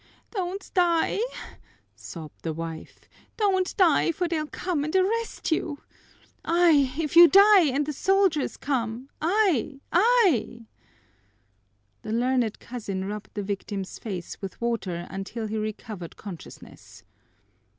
"Don't die!" sobbed the wife. "Don't die, for they'll come and arrest you! Ay, if you die and the soldiers come, ay, ay!" The learned cousin rubbed the victim's face with water until he recovered consciousness.